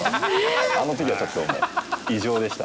あのときはちょっともう異常でした。